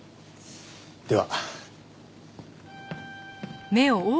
では。